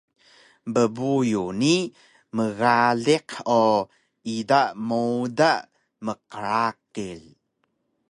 bbuyu ni mgaliq o ida mowda mqraqil